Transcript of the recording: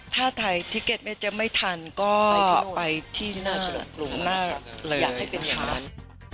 ถ้าถ่ายทิเก็ตไม่ทันก็ไปที่หน้าชนุกรุงหน้าเลย